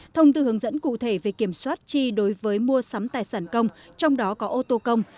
thông tư hướng dẫn cụ thể về kiểm soát chi đối với mua sắm tài sản công trong đó có ô tô công